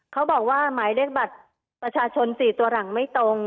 เขาบอกว่าหมายเลขบัตรประชาชน๔ตัวหลังไม่ตรง